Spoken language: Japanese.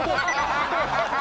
ハハハハ！